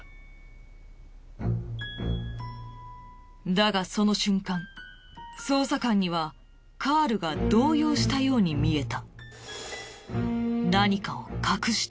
だがその瞬間捜査官にはカールが動揺したように見えた。